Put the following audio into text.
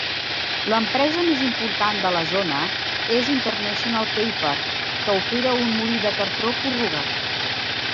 L"empresa més important de la zona és International Paper, que opera un molí de cartró corrugat.